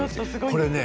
これね